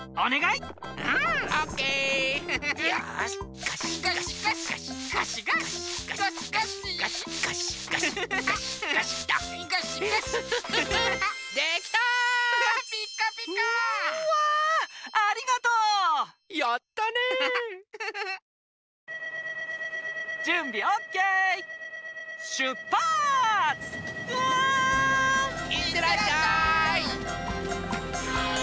いってらっしゃい！